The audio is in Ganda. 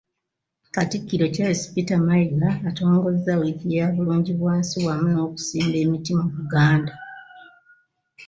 Katikkiro Charles Peter Mayiga atongozza wiiki ya Bulungibwansi wamu n'okusimba emiti mu Buganda.